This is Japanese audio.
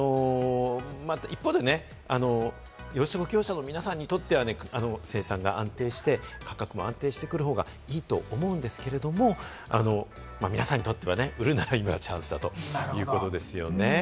一方で業者の人にとっては価格が安定してくる方がいいと思うんですけれども、皆さんにとってはね、売るなら今がチャンスだということですよね。